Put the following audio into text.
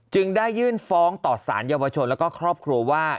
ได้ยื่นฟ้องต่อสารเยาวชนแล้วก็ครอบครัวว่า